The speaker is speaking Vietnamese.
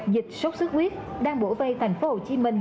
dịch sốt sốt huyết đang bổ vây tp hcm